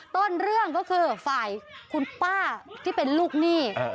ต้นเรื่องก็คือฝ่ายคุณป้าที่เป็นลูกหนี้